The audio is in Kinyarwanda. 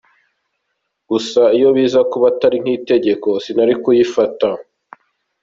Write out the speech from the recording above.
Gusa iyo biza kuba atari nk’itegeko sinari kuyifata.